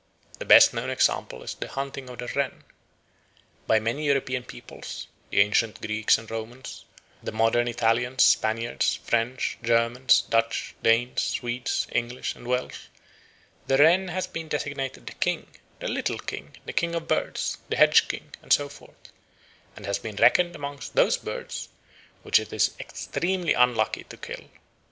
The best known example is the "hunting of the wren." By many European peoples the ancient Greeks and Romans, the modern Italians, Spaniards, French, Germans, Dutch, Danes, Swedes, English, and Welsh the wren has been designated the king, the little king, the king of birds, the hedge king, and so forth, and has been reckoned amongst those birds which it is extremely unlucky to kill.